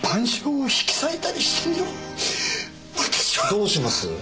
どうします？